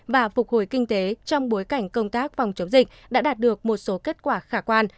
và phục hồi kinh tế trong bối cảnh công tác phòng chống dịch đã đạt được một số kết quả khả quan